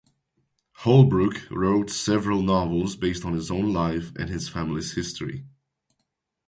Holbrook wrote several novels based on his own life and his family history.